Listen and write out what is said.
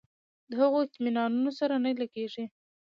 د هغو اطمینانونو سره نه لګېږي.